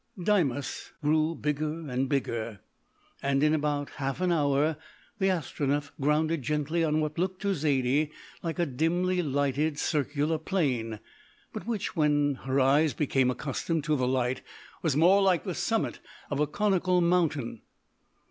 Deimos grew bigger and bigger, and in about half an hour the Astronef grounded gently on what looked to Zaidie like a dimly lighted circular plain, but which, when her eyes became accustomed to the light, was more like the summit of a conical mountain.